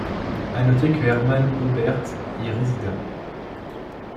À noter que Hermann Oberth y résida.